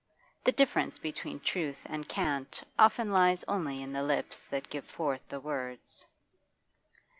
The difference between truth and cant often lies only in the lips that give forth the words.